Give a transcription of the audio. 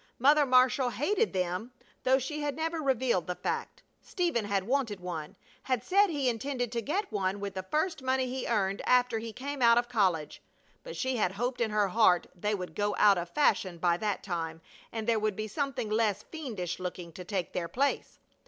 Mother Marshall hated them, though she had never revealed the fact. Stephen had wanted one, had said he intended to get one with the first money he earned after he came out of college, but she had hoped in her heart they would go out of fashion by that time and there would be something less fiendish looking to take their place.